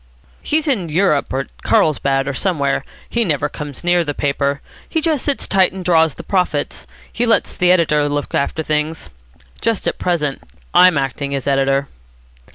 "He's in Europe. At Carlsbad, or somewhere. He never comes near the paper. He just sits tight and draws the profits. He lets the editor look after things. Just at present I'm acting as editor."